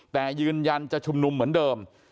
แต่ยืนยันจะชุมนุมเหมือนเดิม